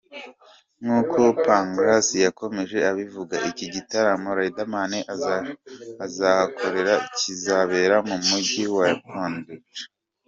Nkuko Pangras yakomeje abivuga, iki gitaramo Riderman azahakorera kizabera mu mujyi wa Pondicherry.